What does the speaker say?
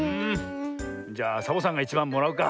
じゃあサボさんがいちばんもらうか。